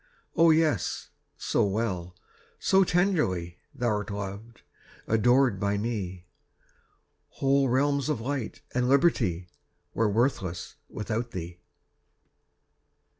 Oh, yes, so well, so tenderly Thou'rt loved, adored by me, Whole realms of light and liberty Were worthless without thee.